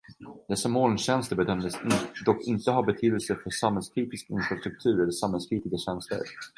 Dessa molntjänster bedömdes dock inte ha betydelse för samhällskritisk infrastruktur eller samhällskritiska tjänster.